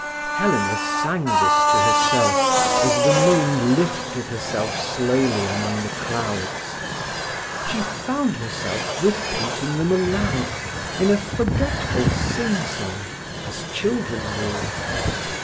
Helena sang this to herself as the moon lifted herself slowly among the clouds. She found herself repeating them aloud in in a forgetful singsong, as children do.